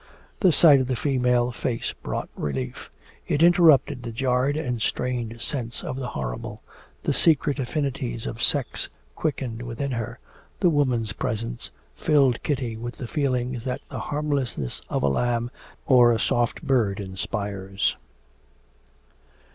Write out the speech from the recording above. The sight of the female face brought relief; it interrupted the jarred and strained sense of the horrible; the secret affinities of sex quickened within her. The woman's presence filled Kitty with the feelings that the harmlessness of a lamb or a soft bird inspires.